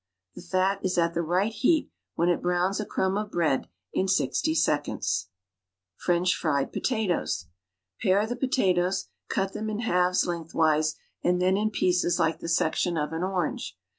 The fat is at the right heat when it browns a crumb of bread in 60 seconds. 33 FRENCH FRIED POTATOES Pare tlie potatoes, cut tlieui in lialves lengthwise, and then ill pieces like the section of an orange.